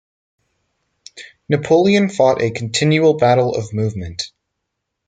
Napoleon fought a continual battle of movement.